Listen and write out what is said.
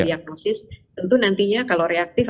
diagnosis tentu nantinya kalau reaktif